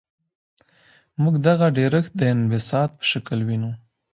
موږ دغه ډیرښت د انبساط په شکل وینو.